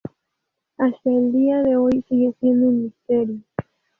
Hasta el día de hoy sigue siendo un misterio.